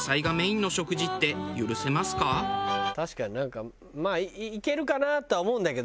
確かになんかまあいけるかなとは思うんだけどね